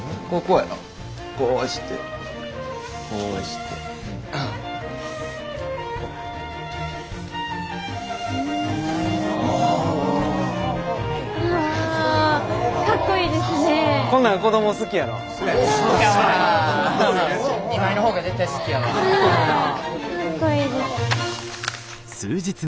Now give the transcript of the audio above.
はいかっこいいです。